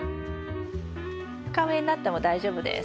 深植えになっても大丈夫です。